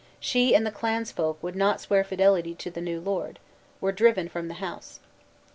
she and the clan's folk who would not swear fidelity to the new lord, were driven from the house.